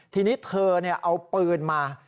ทีนี้เธอเอาปืนมา